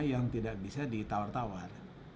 yang tidak bisa ditawar tawar